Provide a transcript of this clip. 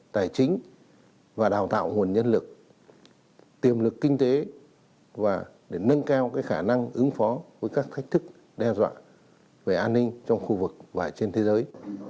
tài chính và đào tạo nguồn nhân lực tiềm lực kinh tế và để nâng cao khả năng ứng phó với các thách thức đe dọa về an ninh trong khu vực và trên thế giới